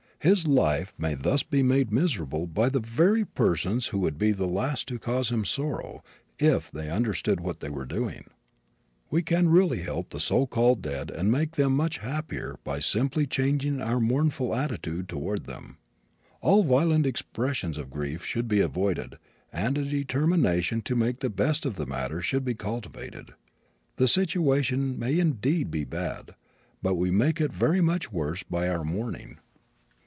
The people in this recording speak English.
His life may thus be made miserable by the very persons who would be the last to cause him sorrow if they understood what they were doing. We can really help the so called dead and make them very much happier by simply changing our mournful attitude toward them. All violent expressions of grief should be avoided and a determination to make the best of the matter should be cultivated. The situation may indeed be bad, but we make it very much worse by our mourning.